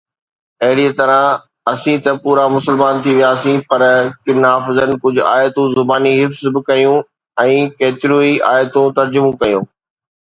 اهڙيءَ طرح اسين ته پورا مسلمان ٿي وياسين، پر ڪن حافظن ڪجهه آيتون زباني حفظ به ڪيون ۽ ڪيتريون ئي آيتون ترجمو ڪيون.